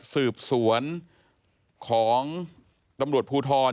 ศึกษวนของตำรวจภูทร